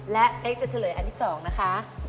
และเป๊กจะเฉลยอันที่๒นะคะ